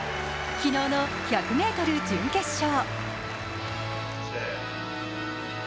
昨日の１００ｍ準決勝。